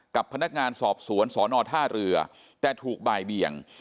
กับพนักงานสอบสวนสอนอท่าเรือแต่ถูกบ่ายเบียง